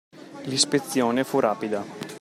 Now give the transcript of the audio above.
L'ispezione fu rapida.